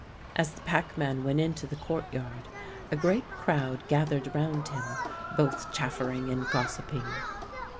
As the packman went into the courtyard a great crowd gathered round him, both chaffering and gossiping.